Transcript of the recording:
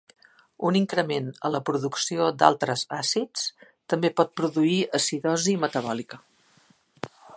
Un increment a la producció d'altres àcids també pot produir acidosi metabòlica.